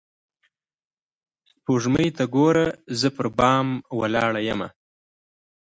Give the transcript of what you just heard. سپوږمۍ ته گوره زه پر بام ولاړه يمه.